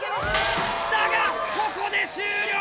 だがここで終了！